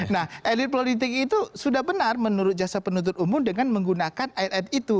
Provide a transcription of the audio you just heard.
nah elit politik itu sudah benar menurut jasa penuntut umum dengan menggunakan ayat ayat itu